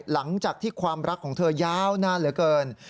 หลังจากที่ความรักของเธอยาวนานเหลือเกิน